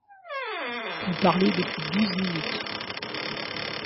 Vous parlez depuis douze minutes